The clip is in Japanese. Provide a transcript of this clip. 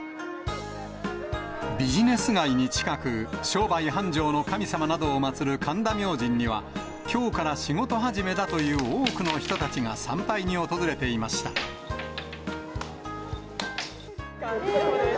ビジネス街に近く、商売繁盛の神様などを祭る神田明神には、きょうから仕事始めだという多くの人たちが参拝に訪れていました。